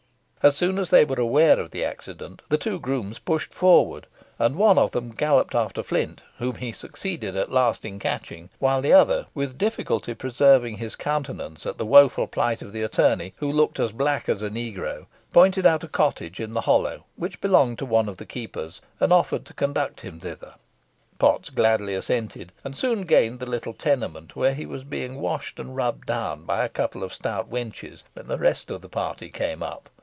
As soon as they were aware of the accident, the two grooms pushed forward, and one of them galloped after Flint, whom he succeeded at last in catching; while the other, with difficulty preserving his countenance at the woful plight of the attorney, who looked as black as a negro, pointed out a cottage in the hollow which belonged to one of the keepers, and offered to conduct him thither. Potts gladly assented, and soon gained the little tenement, where he was being washed and rubbed down by a couple of stout wenches when the rest of the party came up.